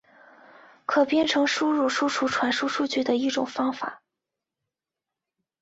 可编程输入输出传输数据的一种方法。